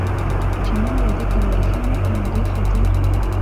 چې ما واده کړی، ښه نو په همدې خاطر.